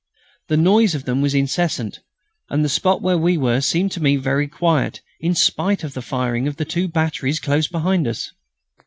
The noise of them was incessant, and the spot where we were seemed to me very quiet, in spite of the firing of the two batteries close behind us.